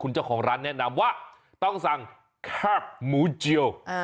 เจ้าของร้านแนะนำว่าต้องสั่งแคบหมูเจียว